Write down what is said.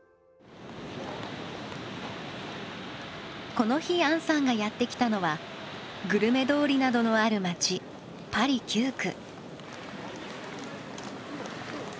この日杏さんがやって来たのはグルメ通りなどのある街パリ９区。